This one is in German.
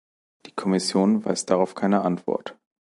Die Kommission weiß darauf keine Antwort.